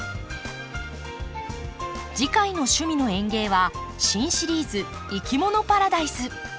次回の「趣味の園芸」は新シリーズ「いきものパラダイス」。